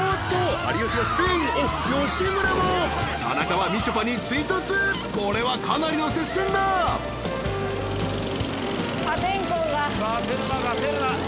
［田中はみちょぱに追突これはかなりの接戦だ！］